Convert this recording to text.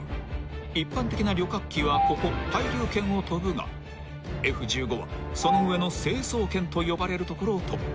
［一般的な旅客機はここ対流圏を飛ぶがＦ−１５はその上の成層圏と呼ばれる所を飛ぶ］